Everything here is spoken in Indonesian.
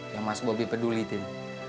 yang mas bobi peduli tin